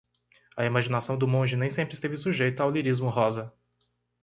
A imaginação do monge nem sempre esteve sujeita ao lirismo rosa.